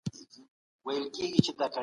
تعليم د ارزښتونو انتقال هم کوي.